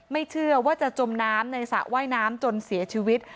ไม่เชื่อว่าจะจมน้ำในสระว่ายน้ำจนเสียชีวิต